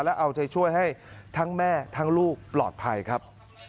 และเอาใจช่วยให้ทั้งแม่ทั้งลูกปลอดภัยครับ